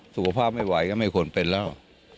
สุขภาพไม่ไหวก็ไม่ควรเป็นแล้ว